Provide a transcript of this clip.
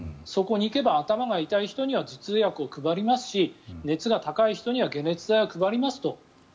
そこに行けば頭が痛い人には頭痛薬を配りますし熱が高い人には解熱剤を配りますと。